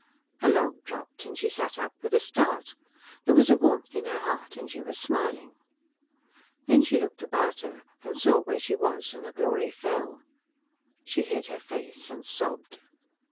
A log dropped, and she sat up with a start. There was a warmth in her heart, and she was smiling. Then she looked about her, and saw where she was, and the glory fell. She hid her face and sobbed.